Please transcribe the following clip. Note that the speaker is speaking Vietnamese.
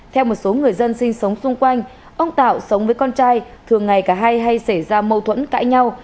theo một số người dân sinh sống xung quanh ông tạo sống với con trai thường ngày cả hay hay xảy ra mâu thuẫn cãi nhau